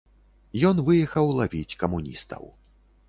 Ён выехаў лавіць камуністаў.